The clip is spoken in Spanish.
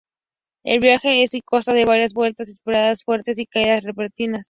El viaje en sí consta de varias vueltas inesperadas fuertes y caídas repentinas.